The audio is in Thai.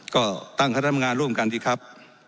ก็ตั้งคณะทำงานร่วมกันสิครับ